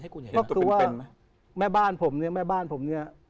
ก็คือว่าแม่บ้านผมเนี่ย